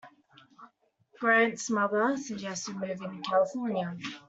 Grant's mother suggested moving to California.